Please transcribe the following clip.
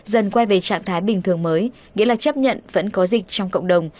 dần quay về trạng thái bình thường mới nghĩa là chấp nhận vẫn có dịch trong cộng đồng